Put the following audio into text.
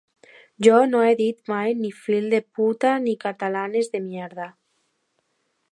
Jo no he dit mai ni ‘fill de puta’ ni ‘catalanes de mierda’.